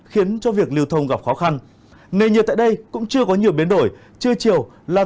khiến cho việc lưu thông gặp khó khăn nền nhiệt tại đây cũng chưa có nhiều biến đổi trưa chiều là